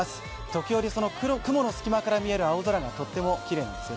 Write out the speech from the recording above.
時折その雲の隙間から見える青空がとってもきれいなんです。